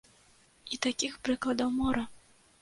І такіх прыкладаў мора.